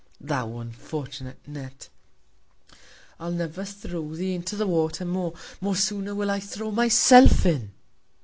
Thou unfortunate Net! I'll never throw thee into the Water more: Much sooner will I throw myself in.